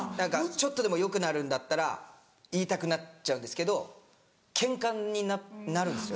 ちょっとでも良くなるんだったら言いたくなっちゃうんですけどケンカになるんですよ。